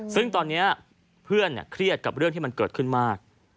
ซึ่งตอนนี้เพื่อนเครียดกับเรื่องที่มันเกิดขึ้นมาก